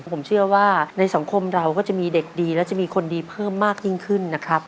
ผมเชื่อว่าในสังคมเราก็จะมีเด็กดีและจะมีคนดีเพิ่มมากยิ่งขึ้นนะครับ